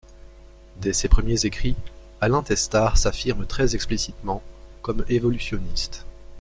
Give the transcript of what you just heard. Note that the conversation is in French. Dès ses premiers écrits, Alain Testart s’affirme très explicitement comme évolutionniste.